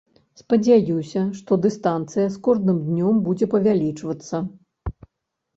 Спадзяюся, што дыстанцыя з кожным днём будзе павялічвацца.